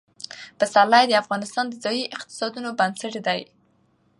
پسرلی د افغانستان د ځایي اقتصادونو بنسټ دی.